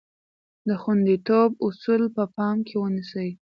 د خوندیتوب اصول په پام کې ونیسئ.